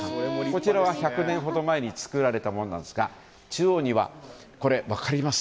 こちらは１００年ほど前に作られたものなんですが中央には分かります？